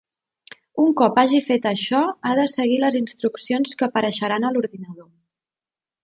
Un cop hagi fet això ha de seguir les instruccions que apareixeran a l'ordinador.